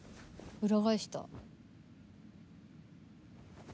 裏返した。